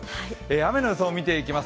雨の予想を見ていきます。